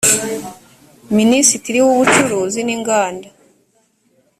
minisitiri w’ubucuruzi n’inganda